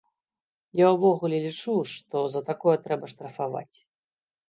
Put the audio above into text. Я ўвогуле лічу, што за такое трэба штрафаваць.